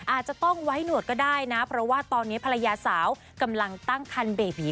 อาจจะต้องไว้หนวดก็ได้นะเพราะว่าตอนนี้ภรรยาสาวกำลังตั้งคันเบบี